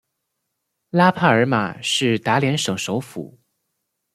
拉帕尔马是达连省首府。